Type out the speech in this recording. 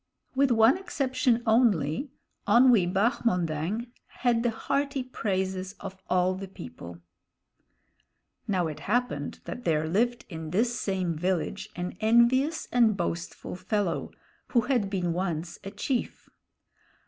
With one exception only, Onwee Bahmondang had the hearty praises of all the people. Now it happened that there lived in this same village an envious and boastful fellow, who had been once a chief.